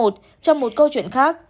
trong một câu chuyện khác